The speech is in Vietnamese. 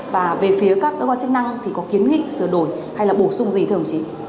và về phía các cơ quan chức năng thì có kiến nghiệm